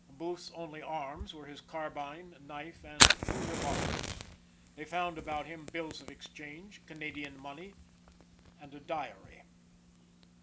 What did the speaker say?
Booth's only arms were his carbine knife, and two revolvers. They found about him bills of exchange, Canada money, and a diary.